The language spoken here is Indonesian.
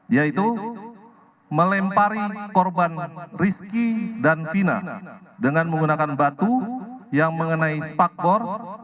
yaitu melempari korban rizki dan vina dengan menggunakan batu yang mengenai spakbor